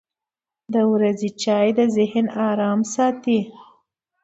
• د ورځې چای د ذهن ارام ساتي.